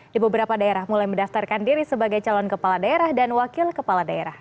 di beberapa daerah mulai mendaftarkan diri sebagai calon kepala daerah dan wakil kepala daerah